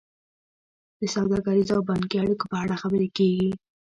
د سوداګریزو او بانکي اړیکو په اړه خبرې کیږي